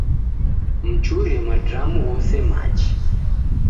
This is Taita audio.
Mchure madramu ghose machi